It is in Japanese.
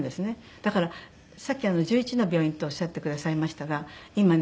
だからさっき１１の病院とおっしゃってくださいましたが今ね